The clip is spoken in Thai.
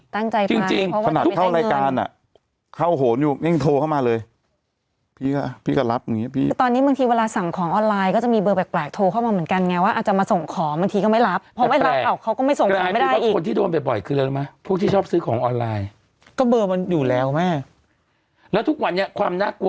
ตั้งใจไปเพราะที่ไม่ได้เงินดีจริงสนัดเข้ารายการอะ